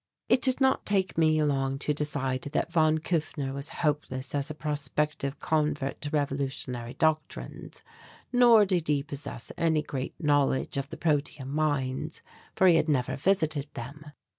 It did not take me long to decide that von Kufner was hopeless as a prospective convert to revolutionary doctrines. Nor did he possess any great knowledge of the protium mines, for he had never visited them.